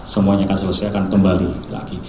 semuanya akan selesaikan kembali lagi